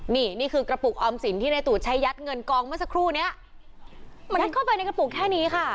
นี่นี่คือกระปุกออมสินที่ในตูดใช้ยัดเงินกองเมื่อสักครู่เนี้ยมันให้เข้าไปในกระปุกแค่นี้ค่ะ